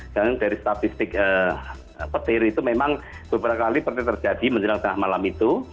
dan dari statistik petir itu memang beberapa kali terjadi menjelang tengah malam itu